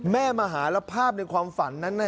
แม่มาหาแล้วภาพในความฝันนั้น